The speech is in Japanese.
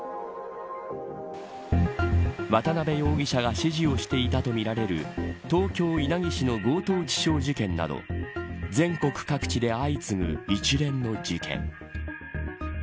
渡辺容疑者が指示をしていたとみられる東京稲城市の強盗致傷事件など全国各地で相次ぐ一連の事件。